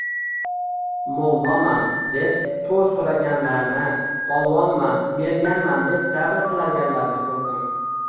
“mo’lloman”, deb to’r so’raganlarni, “polvonman”, “merganman” deb davra tilaganlarni ko’rdim